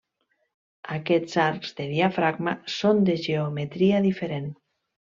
Aquests arcs de diafragma són de geometria diferent.